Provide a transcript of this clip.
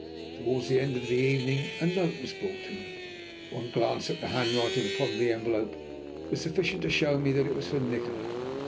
Towards the end of the evening a note was brought to me. One glance at the handwriting upon the envelope was sufficient to show me that it was from Nikola.